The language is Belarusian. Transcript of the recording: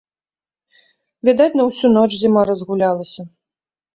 Відаць, на ўсю ноч зіма разгулялася.